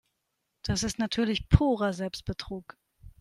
Das ist natürlich purer Selbstbetrug.